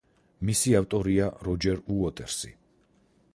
მისი ავტორია როჯერ უოტერსი.